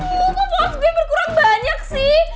aduh kok post gue berkurang banyak sih